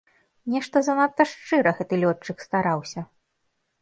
Нешта занадта шчыра гэты лётчык стараўся!